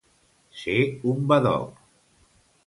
Ser un badoc.